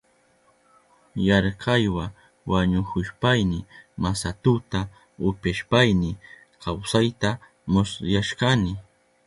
Yarkaywa wañuhushpayni masatuta upyashpayni kawsayta musyashkani.